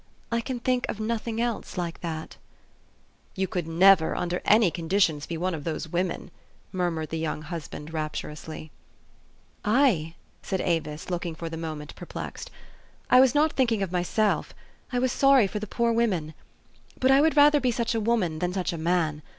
I can think of nothing else like that." 244 THE STORY OF AVIS. " You could never, under any conditions, be one of those women," murmured the young husband rapturously. "I?" said Avis, looking for the moment per plexed. "I was not thinking of myself. I was sorry for the poor women. But I would rather be such a woman than such a man.